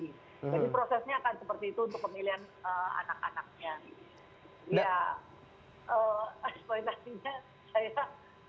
jadi prosesnya akan seperti itu untuk pemilihan anak anaknya